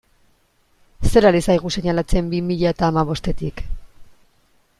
Zer ari zaigu seinalatzen bi mila eta hamabostetik?